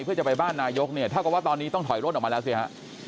เพื่อจะไปบ้านนายกเนี่ยเท่ากับว่าตอนนี้ต้องถอยร่นออกมาแล้วสิฮะ